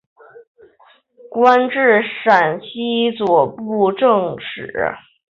官至陕西右布政使。